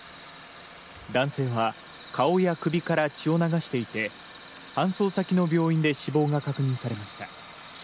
男性は顔や首から血を流していて搬送先の病院で死亡が確認されました。